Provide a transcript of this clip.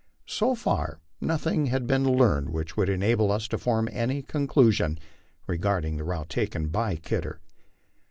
So far, nothing had been leained which would enable us to form any conclusion regarding the route taken by Kidder.